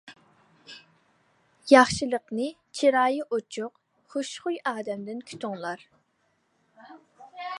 ياخشىلىقنى چىرايى ئۇچۇق، خۇشخۇي ئادەمدىن كۈتۈڭلار.